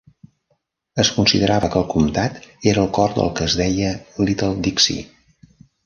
Es considerava que el comtat era al cor del que es deia Little Dixie.